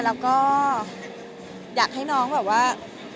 แล้วก็อยากให้น้องแบบว่า